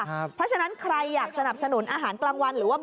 เพราะฉะนั้นใครอยากสนับสนุนอาหารกลางวันหรือว่า